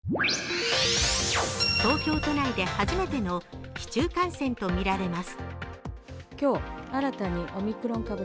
東京都内で初めての市中感染とみられます。